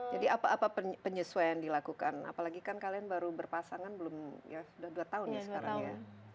jadi apa apa penyesuaian dilakukan apalagi kan kalian baru berpasangan belum ya sudah dua tahun ya sekarang ya